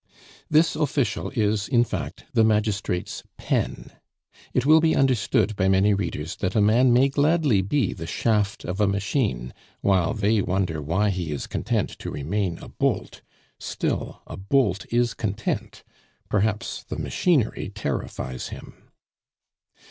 This official is, in fact, the magistrate's pen. It will be understood by many readers that a man may gladly be the shaft of a machine, while they wonder why he is content to remain a bolt; still a bolt is content perhaps the machinery terrifies him.